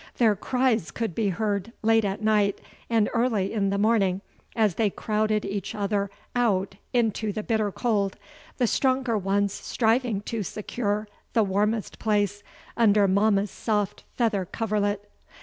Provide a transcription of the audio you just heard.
Their cries could be heard late at night and early in the morning as they crowded each other out into the bitter cold, the stronger ones striving to secure the warmest place under mamma's soft feather coverlet.